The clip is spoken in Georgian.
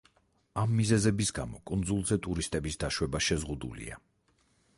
ამ მიზეზების გამო კუნძულზე ტურისტების დაშვება შეზღუდულია.